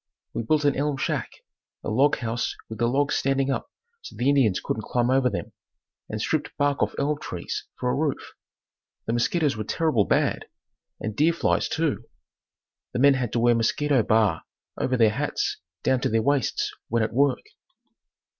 We built an elm shack, a log house with the logs standing up so the Indians couldn't climb over them, and stripped bark off elm trees for a roof. The mosquitoes were terrible bad and deer flies too. The men had to wear mosquito bar over their hats down to their waists when at work.